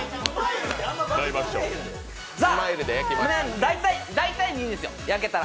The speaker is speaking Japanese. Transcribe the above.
さあ、大体でいいんですよ、焼けたら。